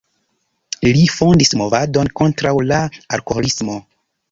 Li fondis movadon kontraŭ la alkoholismo.